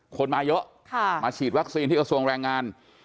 คนมาเยอะมาฉีดวัคซีนที่กระทรวงแรงงาน